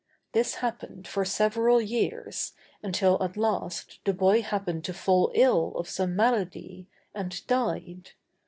This happened for several years, until at last the boy happened to fall ill of some malady, and died.